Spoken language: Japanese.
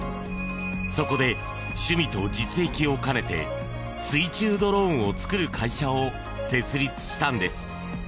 そこで趣味と実益をかねて水中ドローンを作る会社を設立したんです。